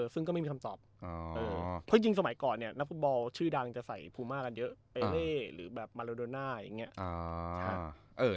ซึ่งก็ไม่มีคำตอบเพราะยิ่งสมัยก่อนเนี่ยนักฟุตบอลชื่อดังจะใส่ภูมิมากันเยอะเปเล่หรือแบบมาโลโดน่าอย่างนี้